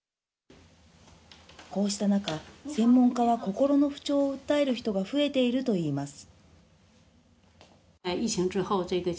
こうした中、専門家は、心の不調を訴える人が増えているといいます。